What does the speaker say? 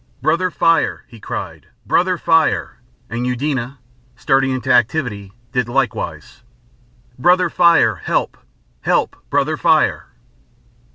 "Brother Fire!" he cried, "Brother Fire!" And Eudena, starting into activity, did likewise. "Brother Fire! Help, help! Brother Fire!"